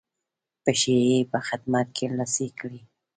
پښې یې په خدمت کې لڅې کړې.